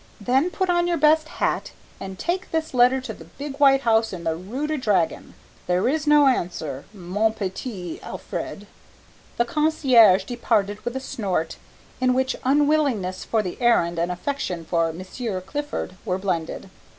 Then put on your best hat and take this letter to the big white house in the Rue de Dragon. There is no answer, mon petit Alfred." The concierge departed with a snort in which unwillingness for the errand and affection for M. Clifford were blended.